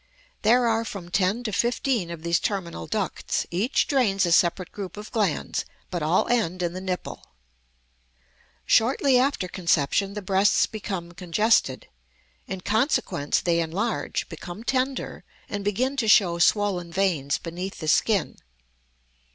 There are from ten to fifteen of these terminal ducts; each drains a separate group of glands, but all end in the nipple. Shortly after conception the breasts become congested; in consequence they enlarge, become tender, and begin to show swollen veins beneath the skin.